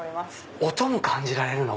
音も感じられるの⁉